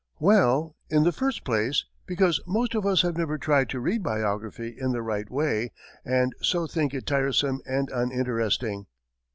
Well, in the first place, because most of us have never tried to read biography in the right way, and so think it tiresome and uninteresting.